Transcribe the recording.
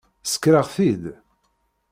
Sskreɣ-t-id.